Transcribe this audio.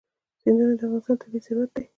سیندونه د افغانستان طبعي ثروت دی.